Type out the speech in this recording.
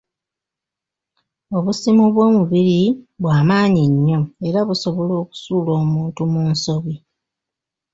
Obusimu bw'omubiri bwa maanyi nnyo, era busobola okusuula omuntu mu nsobi.